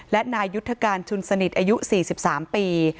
และนายยุทธการชุนสนิทอายุ๔๓ปี